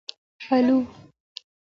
الو 🦉